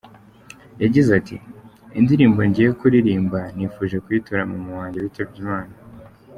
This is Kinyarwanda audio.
Yagize ati “Indirimbo ngiye kuririmba nifuje kuyitura mama wanjye witabye Imana.